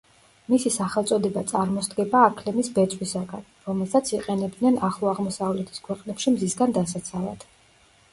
მისი სახელწოდება წარმოსდგება აქლემის ბეწვისაგან, რომელსაც იყენებდნენ ახლო აღმოსავლეთის ქვეყნებში მზისგან დასაცავად.